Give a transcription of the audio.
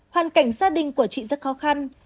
hoàn cảnh gia đình của chị rất khó khăn